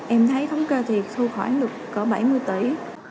em thấy thống ca thì thu khoản được có bảy mươi tỷ